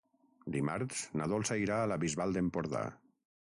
Dimarts na Dolça irà a la Bisbal d'Empordà.